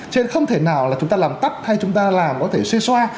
cho nên không thể nào là chúng ta làm tắt hay chúng ta làm có thể xê xoa